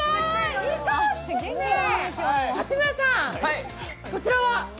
八村さん、こちらは？